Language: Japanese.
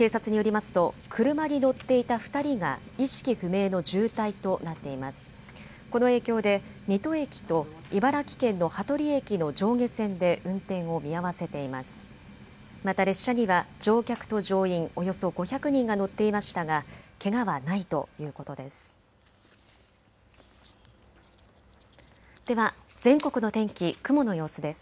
また列車には乗客と乗員およそ５００人が乗っていましたが、けがはないということです。